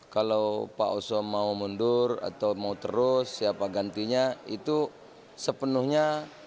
kalau pak oso mau mundur atau mau terus siapa gantinya itu sepenuhnya